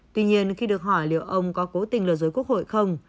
tuy nhiên khi được hỏi liệu ông có cố tình lừa dối quốc hội không